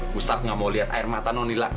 gustaf gak mau lihat air mata nonila